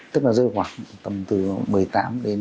tức là rơi khoảng tầm từ một mươi tám đến